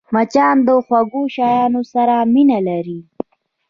مچان د خوږو شيانو سره مینه لري